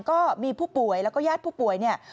ก็มีผู้ป่วยแล้วก็ญาติผู้ป่วยเนี่ย